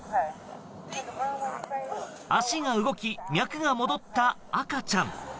足が動き、脈が戻った赤ちゃん。